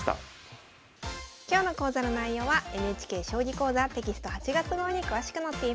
今日の講座の内容はＮＨＫ「将棋講座」テキスト８月号に詳しく載っています。